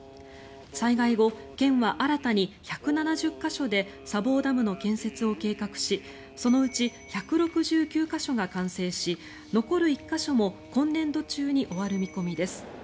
災害後、県は新たに１７０か所で砂防ダムの建設を計画しそのうち１６９か所が完成し残る１か所も今年度中に終わる見込みです。